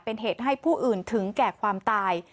เป็นเหตุให้ผู้อื่นถึงแก่ความตาย